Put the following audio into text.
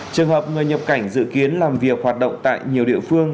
trường hợp người nhập cảnh dự kiến làm việc hoạt động tại nhiều địa phương